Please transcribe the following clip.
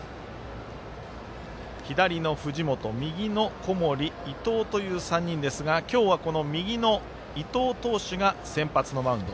左の藤本、右の小森伊藤という３人ですが今日は右の伊藤投手が先発のマウンド。